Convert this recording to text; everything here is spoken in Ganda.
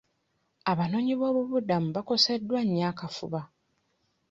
Abanoonyiboobubudamu bakoseddwa nnyo akafuba.